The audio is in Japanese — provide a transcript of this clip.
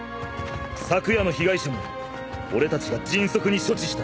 昨夜の被害者も俺たちが迅速に処置した。